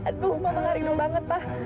aduh mama gak rindu banget pak